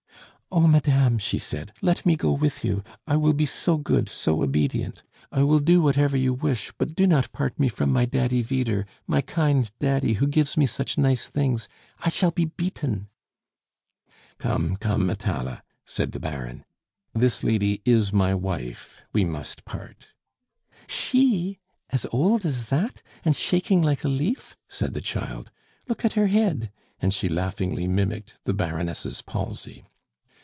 "Oh, madame," she said, "let me go with you. I will be so good, so obedient; I will do whatever you wish; but do not part me from my Daddy Vyder, my kind Daddy who gives me such nice things. I shall be beaten " "Come, come, Atala," said the Baron, "this lady is my wife we must part " "She! As old as that! and shaking like a leaf!" said the child. "Look at her head!" and she laughingly mimicked the Baroness' palsy.